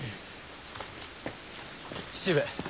父上。